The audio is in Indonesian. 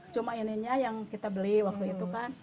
cuma ininya yang kita beli waktu itu kan